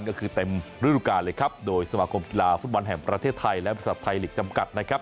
ก็คือเต็มฤดูการเลยครับโดยสมาคมกีฬาฟุตบอลแห่งประเทศไทยและบริษัทไทยลีกจำกัดนะครับ